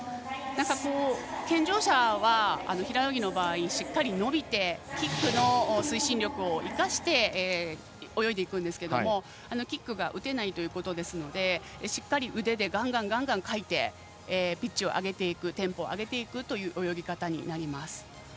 健常者は平泳ぎの場合しっかり伸びてキックの推進力を生かして泳いでいきますがキックが打てないということなのでしっかり腕でガンガンかいてピッチを上げていくテンポを上げていくという泳ぎ方になります。